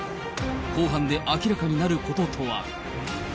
公判で明らかになることとは。